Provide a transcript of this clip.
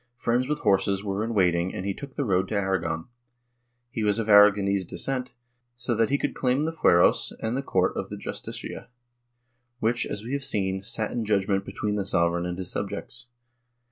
Friends v/ith horses were in waiting and he took the road to Aragon. He was of Aragonese descent, so that he could claim the fueros and the court of the Justicia, which, as we have seen, sat in judgement between the sovereign and his subjects.